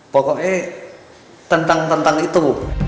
pokoknya tentang tentang itu